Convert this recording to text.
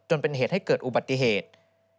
เป็นเหตุให้เกิดอุบัติเหตุ